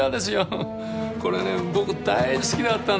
これね僕大好きだったんです。